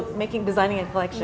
dan mengerjakan koleksi